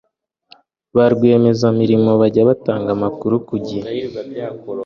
ba rwiyemezamirimo bajya batanga amakuru ku gihe